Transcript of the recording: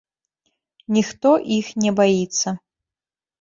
Ніхто іх не баіцца.